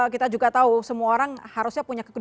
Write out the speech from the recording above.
kita juga tahu semua orang harusnya punya kekuatan